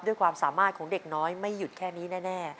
ด้วยความสามารถของเด็กน้อยไม่หยุดแค่นี้แน่